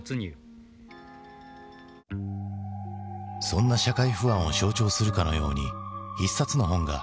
そんな社会不安を象徴するかのように一冊の本がベストセラーとなる。